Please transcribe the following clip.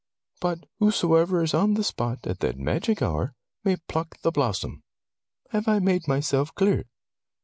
But whosoe'er is on the spot at that magic hour, may pluck the blossom. Have I made myself clear